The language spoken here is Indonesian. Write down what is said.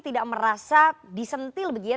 tidak merasa disentil begitu ya